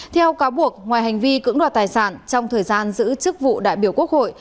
theo cáo buộc ngoài hành vi cưỡng đoạt tài sản trong thời gian giữ chức vụ đại biểu quốc hội